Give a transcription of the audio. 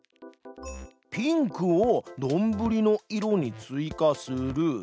「ピンクをどんぶりの色に追加する」。